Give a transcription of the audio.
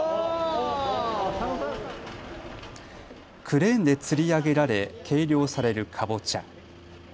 クレーンでつり上げられ計量されるかぼちゃ。